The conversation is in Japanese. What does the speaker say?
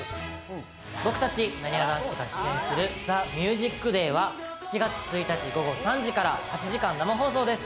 僕たち、なにわ男子が出演する『ＴＨＥＭＵＳＩＣＤＡＹ』は７月１日、午後３時から８時間生放送です。